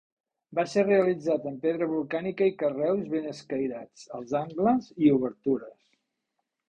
Va ser realitzat amb pedra volcànica i carreus ben escairats als angles i obertures.